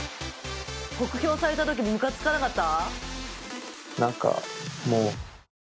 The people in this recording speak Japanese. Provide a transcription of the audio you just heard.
酷評されたときムカつかなかった？